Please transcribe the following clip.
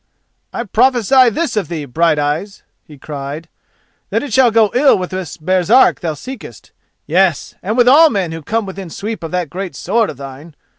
"I prophesy this of thee, Brighteyes," he cried: "that it shall go ill with this Baresark thou seekest—yes, and with all men who come within sweep of that great sword of thine.